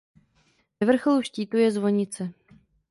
Ve vrcholu štítu je zvonice.